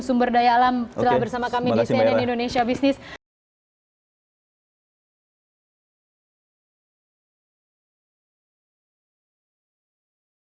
sumber daya alam selamat bersama kami